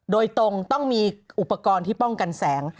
โดยตรงต้องมีอุปกรณ์ที่ป้องกันแสง